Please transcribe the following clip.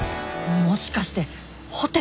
もしかしてホテ